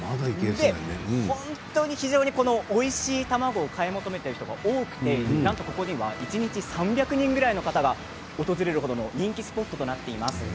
本当に非常においしいたまごを買い求めている人が多くここには３００人ぐらいの方が訪れる程人気スポットとなっています。